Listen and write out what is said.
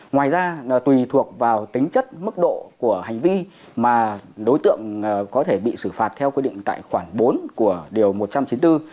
ngoài ra tùy thuộc vào tính chất mức độ của hành vi mà đối tượng có thể bị xử phạt theo quy định tại khoản bốn của điều một trăm chín mươi bốn